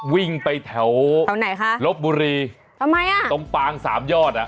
วิ่งไปแถวรถบุรีตรงปาง๓ยอดน่ะข้าวไหนทำไมล่ะ